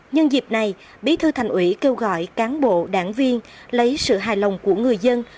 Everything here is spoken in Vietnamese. nhân dịp này bí thư thành ủy kêu gọi cán bộ đảng viên lấy sự hài lòng của người dân